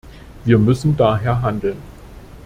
Wir müssen daher handeln.